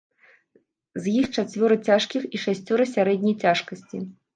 З іх чацвёра цяжкіх і шасцёра сярэдняй цяжкасці.